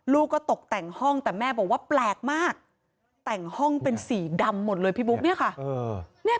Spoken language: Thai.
ลูกก็ตกแต่งห้องแต่แม่บอกว่าแปลกมากแต่งห้องเป็นสีดำหมดเลยพี่บุ๊คเนี่ยค่ะ